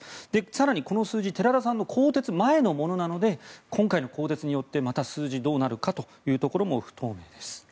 更にこの数字寺田さんの更迭前のものなので今回の更迭によってまた数字どうなるかというところも不透明です。